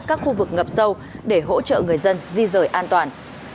các khu vực ngập sâu để hỗ trợ người dân di rời an toàn